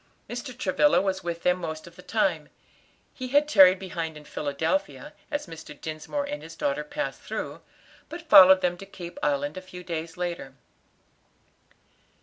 Mr. Travilla was with them most of the time. He had tarried behind in Philadelphia, as Mr. Dinsmore and his daughter passed through, but followed them to Cape Island a few days later.